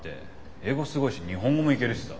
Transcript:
英語すごいし日本語もいけるしさ。